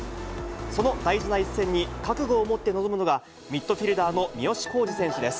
その大事な一戦に、覚悟を持って臨むのが、ミッドフィールダーの三好康児選手です。